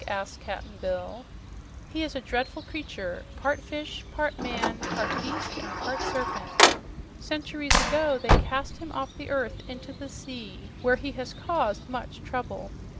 asked Cap'n Bill. "He is a dreadful creature, part fish, part man, part beast and part serpent. Centuries ago they cast him off the earth into the sea, where he has caused much trouble.